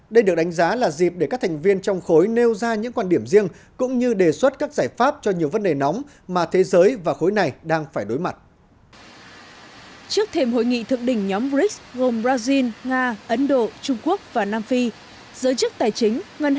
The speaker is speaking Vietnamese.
đây được đánh giá là dịp để các thành viên trong khối nền kinh tế mới nổi và thách thức giải quyết những mối đe dọa toàn cầu